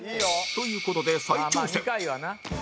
という事で再挑戦